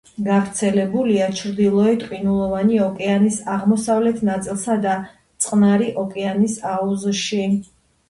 გავრცელებულია ჩრდილოეთ ყინულოვანი ოკეანის აღმოსავლეთ ნაწილსა და წყნარი ოკეანის აუზში.